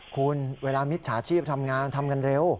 คุณเวลามิจฉาชีพทำงานทำกันเร็ว